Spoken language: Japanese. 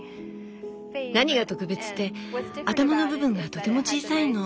何が特別って頭の部分がとても小さいの。